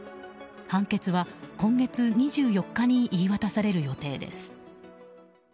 判決は今月２４日に言い渡される予定です。